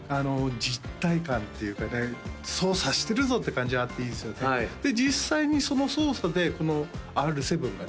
実体感っていうかね操作してるぞって感じがあっていいですよねで実際にその操作でこのＲ７がね